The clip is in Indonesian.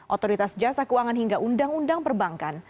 otoritas jasa keuangan hingga undang undang perbankan